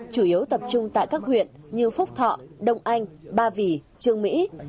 chủ yếu tập trung tại các huyện như phúc thọ đông anh ba vỉ trường mỹ